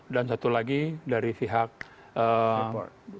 dan satu lagi dari pihak freeport komisari